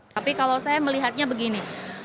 tapi kalau saya melihatnya begini